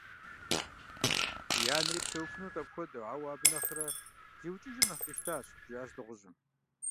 Уи анэри псэуфынут апхуэдэу, ауэ абы нэхърэ зиукӀыжыныр нэхъ къищтащ, - жиӏащ дыгъужьым.